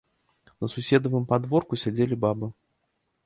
На суседавым падворку сядзелі бабы.